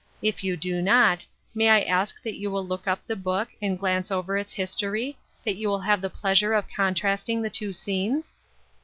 If you do not, may I ask that you will look up the book and glance over its history, that you may have the pleasure of contrasting the two scenes